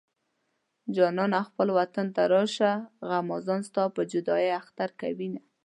جانانه خپل وطن ته راشه غمازان ستا په جدايۍ اختر کوينه